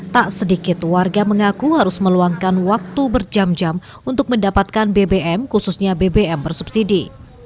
tak sedikit warga mengaku harus meluangkan waktu berjam jam untuk mendapatkan bbm khususnya bbm bersubsidi